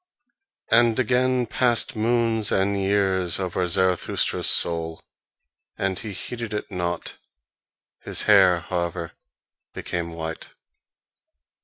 And again passed moons and years over Zarathustra's soul, and he heeded it not; his hair, however, became white.